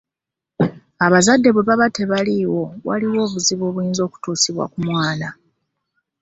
Abazadde bwe baba tebaliiwo waliwo obuzibu obuyinza okutuusibwa ku mwana.